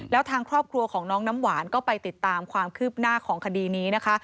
แล้วทางครอบครัวของน้องน้ำหวานก็ไปติดตามความคืบหน้าของคดีนี้นะคะ